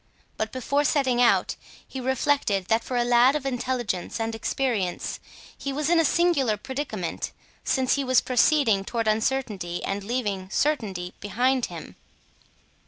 But before setting out he reflected that for a lad of intelligence and experience he was in a singular predicament, since he was proceeding toward uncertainty and leaving certainty behind him.